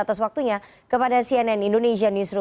terus waktunya kepada cnn indonesia news